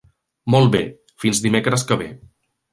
Molt bé; fins dimecres que ve.